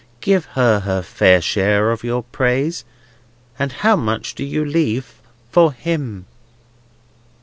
Give her her fair share of your praise, and how much do you leave for him?"